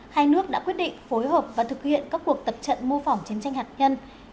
hai nước đã quyết định phối hợp và thực hiện các cuộc tập trận mô phỏng chiến tranh hạt nhân